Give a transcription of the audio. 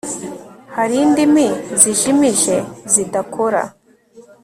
hari indimi zijimije zidakora